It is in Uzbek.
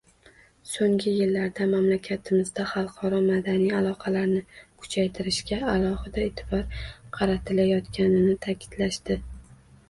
Soʻnggi yillarda mamlakatimizda xalqaro madaniy aloqalarni kuchaytirishga alohida eʼtibor qaratilayotganini taʼkidlashdi.